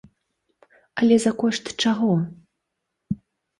Але за кошт чаго?